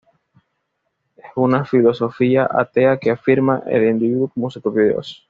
Es una filosofía atea que afirma el individuo como su propio "dios".